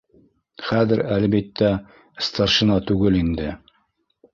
Хәҙер, әлбиттә, старшина түгел инде.